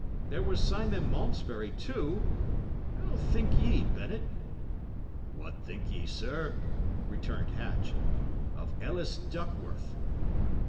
There was Simon Malmesbury, too. How think ye, Bennet?" "What think ye, sir," returned Hatch, "of Ellis Duckworth?"